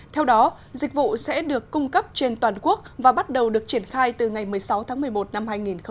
theo đó dịch vụ sẽ được cung cấp trên toàn quốc và bắt đầu được triển khai từ ngày một mươi sáu tháng một mươi một năm hai nghìn hai mươi